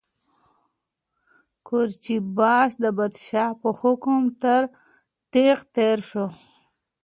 قورچي باشي د پادشاه په حکم تر تېغ تېر شو.